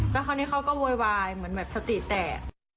แล้วก็โวยวายเหมือนสติแต่